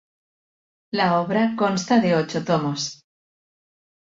La obra conta de ocho tomos.